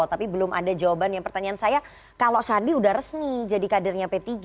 tapi belum ada jawaban yang pertanyaan saya kalau sandi udah resmi jadi kadernya p tiga